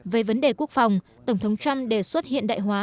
về vấn đề quốc phòng tổng thống trump đề xuất hiện đại hóa